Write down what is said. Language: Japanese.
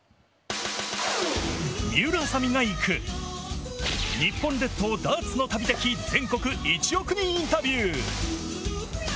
水卜麻美が行く、日本列島ダーツの旅的全国１億人インタビュー。